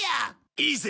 いいぜ！